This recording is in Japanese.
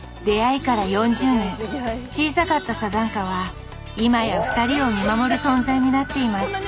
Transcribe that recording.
出会いから４０年小さかった山茶花は今や２人を見守る存在になっています。